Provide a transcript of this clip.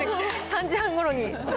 ３時半ごろに？